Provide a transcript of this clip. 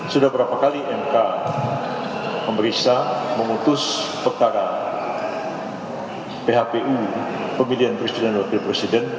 sudah berapa kali mk memeriksa mengutus perkara phpu pemilihan presiden dan wakil presiden